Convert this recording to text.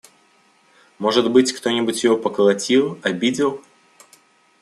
Может быть, кто-нибудь ее поколотил… обидел?